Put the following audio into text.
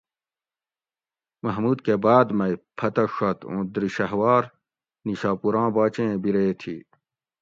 محمود کہ باد مئ پھتہ ڛت اُون دُر شھوار نیشاپوراں باچیں بیری تھی